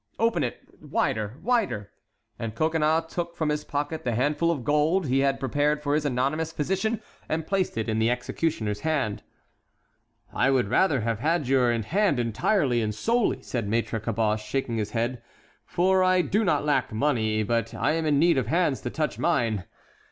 "Open it—wider—wider!" And Coconnas took from his pocket the handful of gold he had prepared for his anonymous physician and placed it in the executioner's hand. "I would rather have had your hand entirely and solely," said Maître Caboche, shaking his head, "for I do not lack money, but I am in need of hands to touch mine.